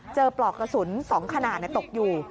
ปลอกกระสุน๒ขนาดตกอยู่